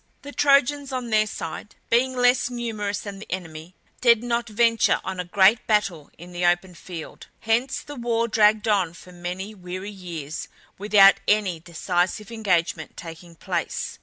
The Trojans, on their side, being less numerous than the enemy, dared not venture on a great battle in the open field; hence the war dragged on for many weary years without any decisive engagement taking place.